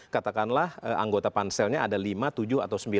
katakanlah anggota panselnya ada lima tujuh atau sembilan